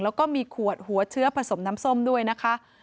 แล้วก็มีขวดหัวเชื้อผสมน้ำส้มด้วยนะคะ